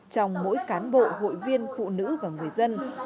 trong mỗi cán bộ hội viên phụ nữ và người dân